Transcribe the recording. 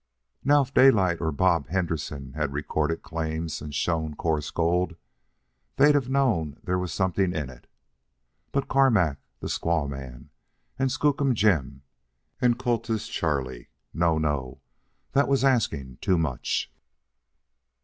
Now if Daylight or Bob Henderson had recorded claims and shown coarse gold, they'd known there was something in it. But Carmack, the squaw man! And Skookum Jim! And Cultus Charlie! No, no; that was asking too much.